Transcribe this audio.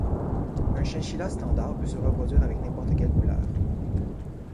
Un chinchilla standard peut se reproduire avec n’importe quelle couleur.